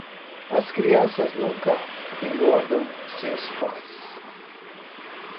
As crianças nunca engordam seus pais.